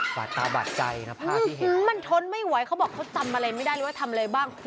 บาดตาบาดใจนะภาพที่เห็นมันทนไม่ไหวเขาบอกเขาจำอะไรไม่ได้เลยว่าทำอะไรบ้าง